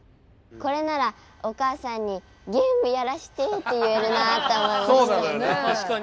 これならお母さんにゲームやらしてって言えるなって思いました。